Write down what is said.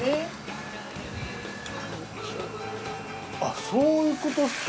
あっそういうことっすか。